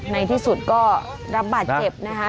ในที่สุดก็รับบาดเจ็บนะคะ